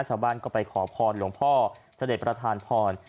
ชาวบ้านก็ไปขอพรหลวงพ่อเสด็จประธานพร